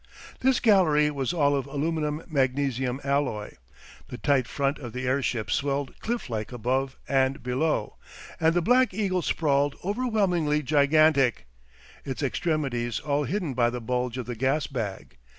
This gallery was all of aluminium magnesium alloy, the tight front of the air ship swelled cliff like above and below, and the black eagle sprawled overwhelmingly gigantic, its extremities all hidden by the bulge of the gas bag.